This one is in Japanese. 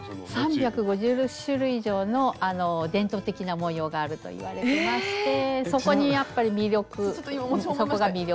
３５０種類以上の伝統的な模様があるといわれてましてそこにやっぱり魅力そこが魅力で。